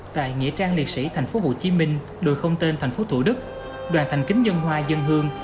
tại nghĩa trang liệt sĩ tp hcm đôi không tên tp thủ đức đoàn thành kính dân hoa dân hương